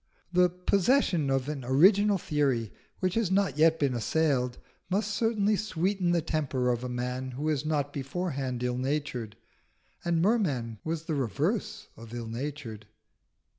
The possession of an original theory which has not yet been assailed must certainly sweeten the temper of a man who is not beforehand ill natured. And Merman was the reverse of ill natured.